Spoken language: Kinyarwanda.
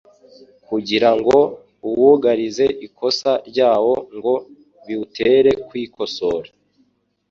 kugira ngo uwugaragarize ikosa ryawo, ngo biwutere kwikosora.